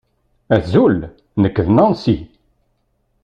Azul, nekk d Nancy.